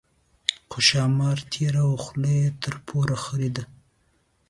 خو ښامار تېراوه خوله یې پر توره خرېده.